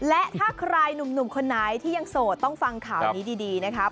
และถ้าใครหนุ่มคนไหนที่ยังโสดต้องฟังข่าวนี้ดีนะครับ